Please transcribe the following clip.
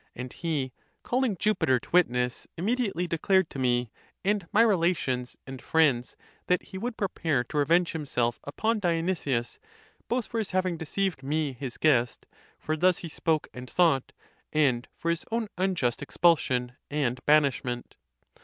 And he, calling Jupiter to witness, imme diately declared to me and my relations and friends, that he would prepare to revenge himself upon Dionysius, both for his having deceived me, his guest—for thus he spoke and thought—and for his own unjust expulsion and banishment.